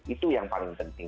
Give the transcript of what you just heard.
itu yang paling penting